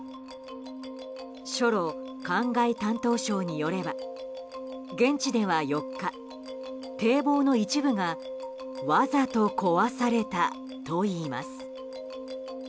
ショロ灌漑担当相によれば現地では４日、堤防の一部がわざと壊されたといいます。